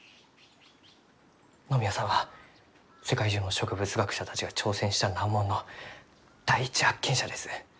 野宮さんは世界中の植物学者たちが挑戦した難問の第一発見者です。